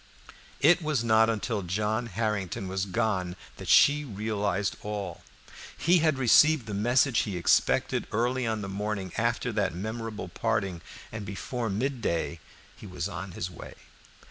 It was not until John Harrington was gone that she realized all. He had received the message he expected early on the morning after that memorable parting, and before mid day he was on his way.